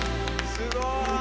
すごい！